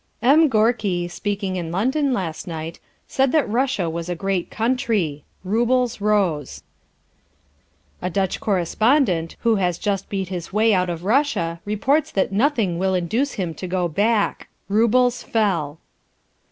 "M. Gorky, speaking in London last night, said that Russia was a great country. Roubles rose." "A Dutch correspondent, who has just beat his way out of Russia, reports that nothing will induce him to go back. Roubles fell."